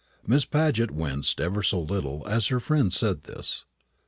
Miss Paget winced ever so little as her friend said this.